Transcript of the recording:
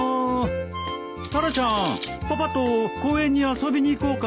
タラちゃんパパと公園に遊びに行こうか。